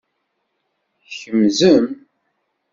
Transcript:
Tkemzem.